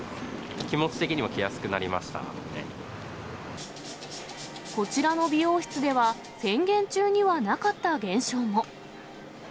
気持ち的にも来やすくなりまこちらの美容室では、宣言中にはなかった現象も。